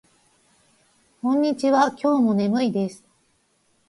こんにちは。今日も眠いです。